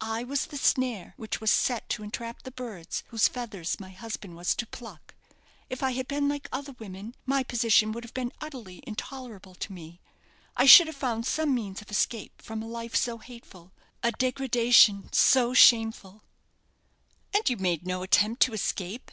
I was the snare which was set to entrap the birds whose feathers my husband was to pluck. If I had been like other women, my position would have been utterly intolerable to me. I should have found some means of escape from a life so hateful a degradation so shameful." "And you made no attempt to escape?"